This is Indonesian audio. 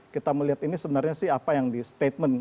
kita melihat ini sebenarnya sih apa yang di statement